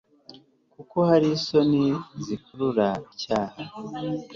kuko hari isoni zikurura icyaha